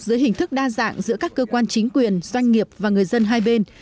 dưới hình thức đa dạng giữa các cơ quan chính quyền doanh nghiệp và người dân hai bên